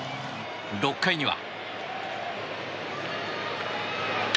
６回には。